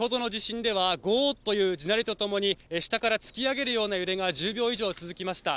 先程の地震では、ゴという地鳴りとともに下から突き上げるような揺れが１０秒以上続きました。